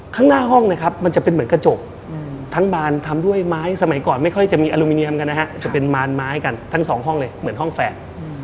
ข้างหน้าห้องนะครับมันจะเป็นเหมือนกระจกทั้งบานทำด้วยไม้สมัยก่อนไม่ค่อยจะมีอลูมิเนียมกันนะฮะจะเป็นบานไม้กันทั้งสองห้องเลยเหมือนห้องแฝด